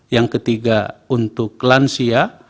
yang ketiga untuk lansia